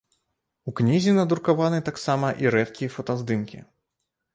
У кнізе надрукаваны таксама і рэдкія фотаздымкі.